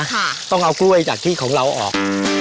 ค่ะต้องเอากล้วยจากที่ของเราออกอืม